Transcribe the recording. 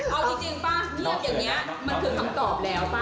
เอาจริงป่ะเรื่องอย่างนี้มันคือคำตอบแล้วป่ะ